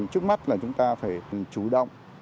trước mắt là chúng ta phải chú động